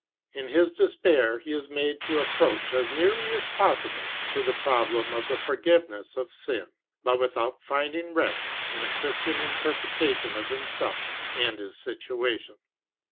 In his despair he is made to approach as nearly as possible to the problem of the forgiveness of sin; but without finding rest in a Christian interpretation of himself and his situation.